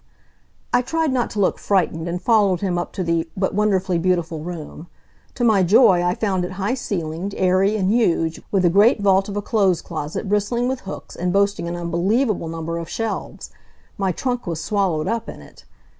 I tried not to look frightened, and followed him up to the "but wonderfully beautiful" room. To my joy I found it high ceilinged, airy, and huge, with a great vault of a clothes closet bristling with hooks, and boasting an unbelievable number of shelves. My trunk was swallowed up in it.